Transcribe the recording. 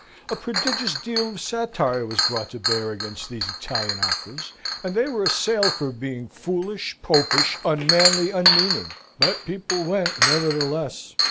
(A prodigious deal of satire was brought to bear against these Italian Operas, and they were assailed for being foolish, Popish, unmanly, unmeaning; but people went, nevertheless.)